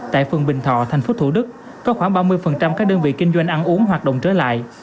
tại phương bình thọ thành phố thủ đức có khoảng ba mươi các đơn vị kinh doanh ăn uống hoạt động trở lại